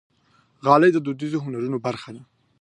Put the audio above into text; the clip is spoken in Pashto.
غالۍ د دودیزو هنرونو برخه ده.